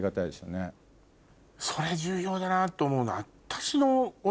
それ重要だなと思うのは。